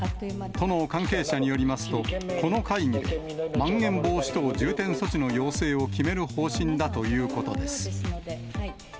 都の関係者によりますと、この会議で、まん延防止等重点措置の要請を決める方針だということです。